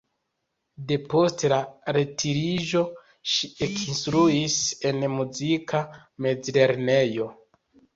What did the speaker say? Depost la retiriĝo ŝi ekinstruis en muzika mezlernejo.